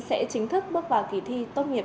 sẽ chính thức bước vào kỳ thi tốt nghiệp